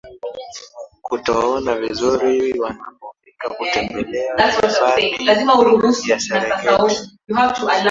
kutoona vizuri wanapofika kutembelea hifadi ya Serengeti